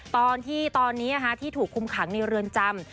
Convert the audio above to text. ตอนที่ตอนนี้ที่ถูกคุมขังในเรือนจำ